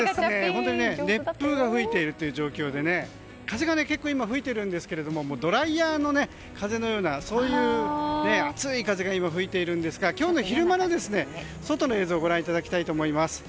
本当に熱風が吹いている状況で風が結構今、吹いているんですがドライヤーの風のような熱い風が吹いているんですが今日の昼間の外の映像をご覧いただきたいと思います。